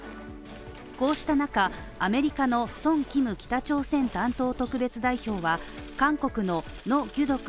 こうした中、アメリカのソン・キム北朝鮮担当特別代表は韓国のノ・ギュドク